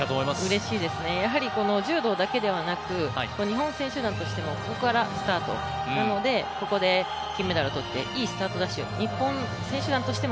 うれしいですね、柔道だけではなく日本選手団としてもここからスタートなので、ここで金メダルを取っていいスタートダッシュ、日本選手団としても